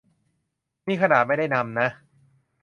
นี่ขนาดไม่ได้นำนะ